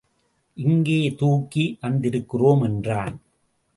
இங்கே தூக்கி வந்திருக்கிறோம் என்றான்.